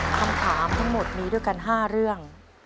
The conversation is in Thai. คำถามทั้งหมดมีด้วยกัน๕เรื่อง